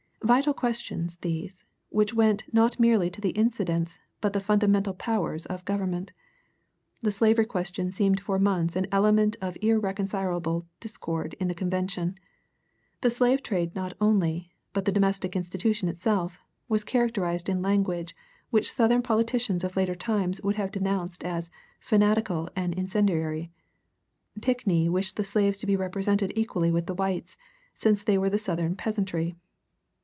Vital questions these, which went not merely to the incidents but the fundamental powers of government. The slavery question seemed for months an element of irreconcilable discord in the convention. The slave trade not only, but the domestic institution itself, was characterized in language which Southern politicians of later times would have denounced as "fanatical" and "incendiary." Pinckney wished the slaves to be represented equally with the whites, since they were the Southern peasantry.